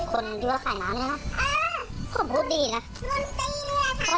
เฮ้ยแต่ขอแจ้ผิดหน้าขอบฟ้ามากเลยนะแปลงแพร่ป่ะ